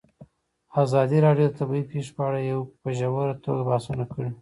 ازادي راډیو د طبیعي پېښې په اړه په ژوره توګه بحثونه کړي.